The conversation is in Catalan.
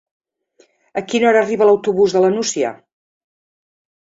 A quina hora arriba l'autobús de la Nucia?